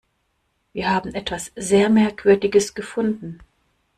Wir haben etwas sehr Merkwürdiges gefunden.